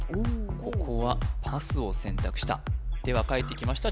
ここはパスを選択したでは返ってきました